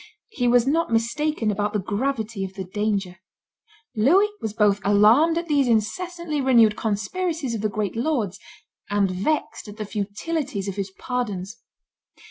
He was not mistaken about the gravity of the danger. Louis was both alarmed at these incessantly renewed conspiracies of the great lords and vexed at the futility of his pardons.